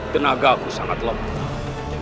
tenagamu sangat lemah